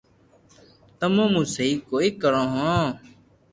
تمو مون سھي ڪوئي ڪرو ھون